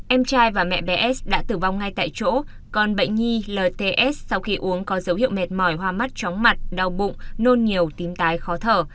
em trai và mẹ bé s đã tử vong ngay tại chỗ còn bệnh nhi lts sau khi uống có dấu hiệu mệt mỏi hoa mắt tróng mặt đau bụng nôn nhiều tím tái khó thở